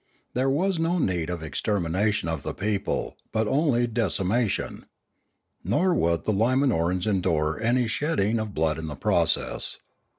There was no need of extermination of the people, but only decimation. Nor would the Limanorans endure any shedding of blood in the process.